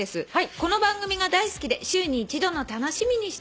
「この番組が大好きで週に１度の楽しみにしています」